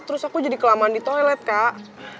terus aku jadi kelamaan di toilet kak